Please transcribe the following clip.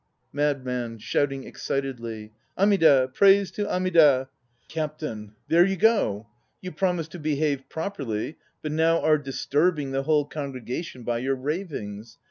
MADMAN (shouting excitedly). Amida! Praise to Amida! CAPTAIN. There you go! You promised to behave properly, but now arc disturbing* 1 the whole congregation by your ravings.